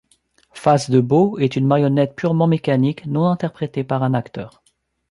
Face de Boe est une marionnette purement mécanique, non interprétée par un acteur.